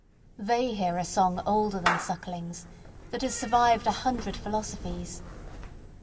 They hear a song older than Suckling's, that has survived a hundred philosophies.